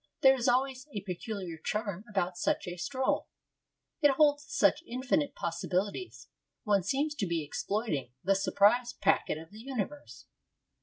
There is always a peculiar charm about such a stroll. It holds such infinite possibilities. One seems to be exploiting the surprise packet of the universe.